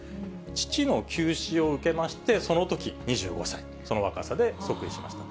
父の急死を受けまして、そのとき２５歳、その若さで即位しました。